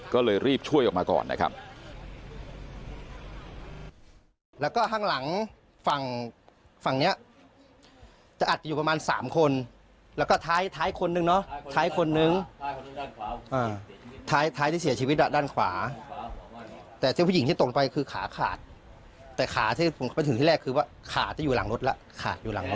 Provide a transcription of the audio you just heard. ก็เลยรีบช่วยออกมาก่อนนะครับ